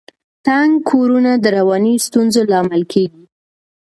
تنګ کورونه د رواني ستونزو لامل کیږي.